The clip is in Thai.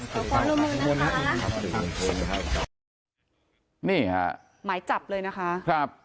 ขอความร่วมมือครับนี่ฮะหมายจับเลยนะคะครับ